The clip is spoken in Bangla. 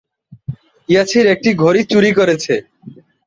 কলেজ প্রতিষ্ঠার ক্ষেত্রে তিনি বিপুল উদ্যোগ নিয়ে এগিয়ে আসেন।